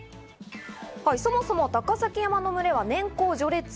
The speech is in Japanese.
そもそも高崎山の群れは年功序列。